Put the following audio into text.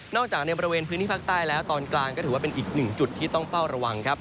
จากในบริเวณพื้นที่ภาคใต้แล้วตอนกลางก็ถือว่าเป็นอีกหนึ่งจุดที่ต้องเฝ้าระวังครับ